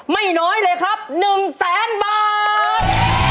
ไม่น้อยเลยครับ๑แสนบาท